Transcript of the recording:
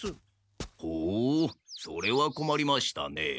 ほうそれはこまりましたね。